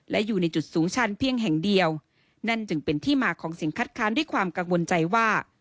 และอยู่ในจุดสูงชันเพียงแห่งเดียวนั่นจึงเป็นที่มาของสิ่งคัดค้านด้วยความกังวลใจว่า